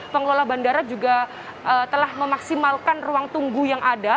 pengelola bandara juga telah memaksimalkan ruang tunggu yang ada